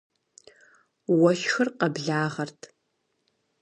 Уэшхыр къэблагъэрт.